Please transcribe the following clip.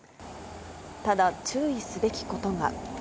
ただ、注意すべきことが。